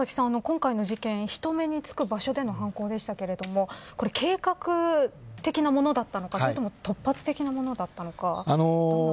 佐々木さん、今回の事件人目につく場所での犯行でしたが計画的なものだったのかそれとも突発的なものだったのかどうなんでしょう。